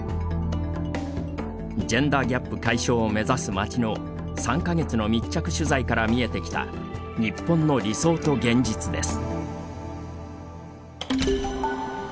ジェンダーギャップ解消を目指す町の３か月の密着取材から見えてきた日本の理想と現実です。